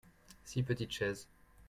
six petites chaises.